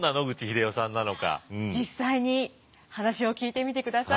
実際に話を聞いてみてください。